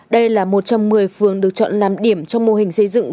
đây là một trong một mươi phường được chọn làm điểm trong mô hình xây dựng